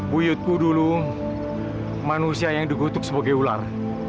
bu yudku dulu manusia yang dikutuk sebagai ular